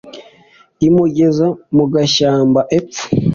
imugeza mu gashyamba epfo